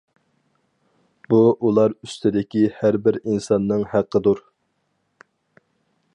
بۇ ئۇلار ئۈستىدىكى ھەر بىر ئىنساننىڭ ھەققىدۇر.